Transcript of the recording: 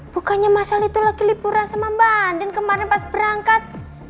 bukannya mas al itu lagi lipuran sama mbak andin kemarin pas berangkat